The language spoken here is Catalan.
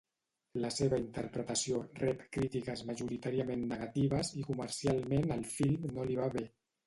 La seva interpretació rep crítiques majoritàriament negatives i comercialment al film no li va bé.